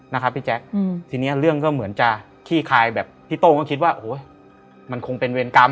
นะครับพี่แจ๊คทีนี้เรื่องก็เหมือนจะขี้คายแบบพี่โต้งก็คิดว่าโอ้โหมันคงเป็นเวรกรรม